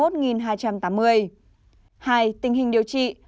hai tình hình điều trị